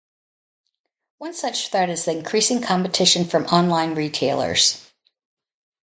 One such threat is the increasing competition from online retailers.